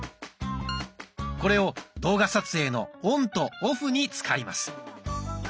これを動画撮影のオンとオフに使います。